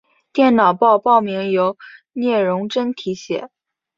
电脑报报名由聂荣臻题写。